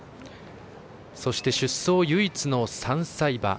そして、出走唯一の３歳馬。